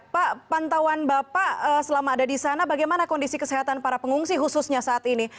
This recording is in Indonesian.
pak pantauan bapak selama ada di sana bagaimana kondisi kesehatan para pengungsi khususnya saat ini